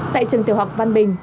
tại trường tiểu học văn bình